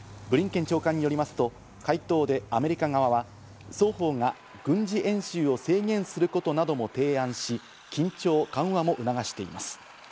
ブリンケン長官によりますと、回答でアメリカ側は双方が軍事演習を制限することなども提案し、緊張緩和も促しています。